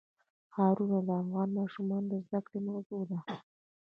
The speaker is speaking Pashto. ښارونه د افغان ماشومانو د زده کړې موضوع ده.